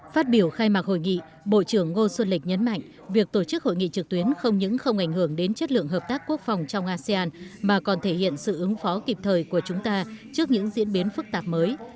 phát biểu khai mạc hội nghị bộ trưởng ngô xuân lịch nhấn mạnh việc tổ chức hội nghị trực tuyến không những không ảnh hưởng đến chất lượng hợp tác quốc phòng trong asean mà còn thể hiện sự ứng phó kịp thời của chúng ta trước những diễn biến phức tạp mới